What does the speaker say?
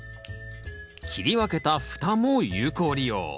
切り分けたふたも有効利用。